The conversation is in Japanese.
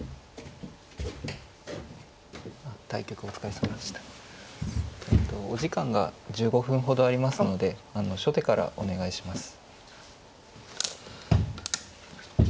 えとお時間が１５分ほどありますのであの初手からお願いします。